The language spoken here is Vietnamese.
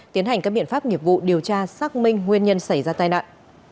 tiến hành các biện pháp nghiệp vụ điều tra xác minh nguyên nhân xảy ra tai nạn